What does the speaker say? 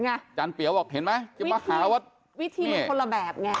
อาจารย์เปี๋ยวบอกเห็นไหมวิธีมันคนละแบบ